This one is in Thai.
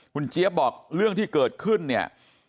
คุณเจี๊ยบบอกเรื่องที่เกิดขึ้นเนี่ย